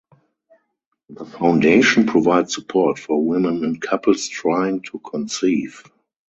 The foundation provides support for women and couples trying to conceive.